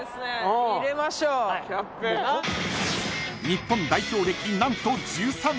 ［日本代表歴何と１３年］